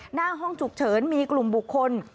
หน้าห้องฉุกเฉินมีกลุ่มบุคคล